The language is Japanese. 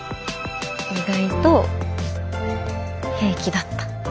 意外と平気だった。